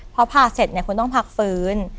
พอผ่าเสร็จคุณต้องพักฟื้น